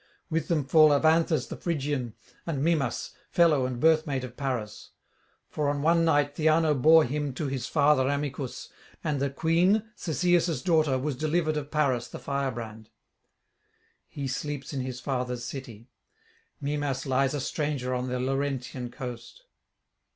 With them fall Evanthes the Phrygian, and Mimas, fellow and birthmate of Paris; for on one night Theano bore him to his father Amycus, and the queen, Cisseus' daughter, was delivered of Paris the firebrand; he sleeps in his fathers' city; Mimas lies a stranger on the Laurentian coast.